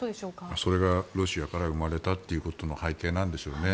それがロシアから生まれたということの背景なんでしょうね。